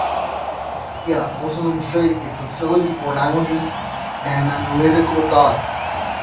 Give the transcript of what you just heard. Henry Lea also demonstrated a facility for languages and analytical thought.